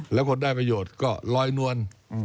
แล้วคนได้ประโยชน์ก็ลอยนวล